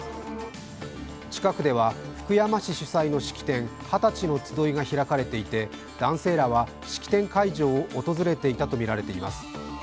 近くでは福山市主催の式典二十歳の集いが開かれていて男性らは式典会場を訪れていたとみられています。